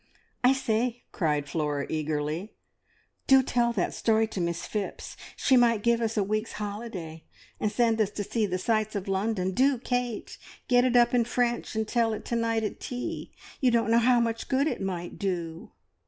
"I say," cried Flora eagerly, "do tell that story to Miss Phipps! She might give us a week's holiday and send us to see the sights of London! Do, Kate! Get it up in French and tell it to night at tea. You don't know how much good it might do!"